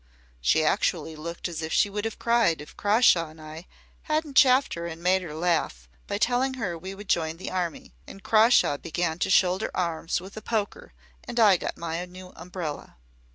She actually looked as if she would have cried if Crawshaw and I hadn't chaffed her and made her laugh by telling her we would join the army; and Crawshaw began to shoulder arms with the poker and I got my new umbrella."